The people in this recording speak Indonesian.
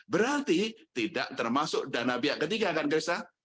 berarti tidak termasuk dana biak ketiga kan krista